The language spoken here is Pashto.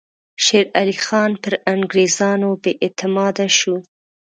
شېر علي خان پر انګریزانو بې اعتماده شو.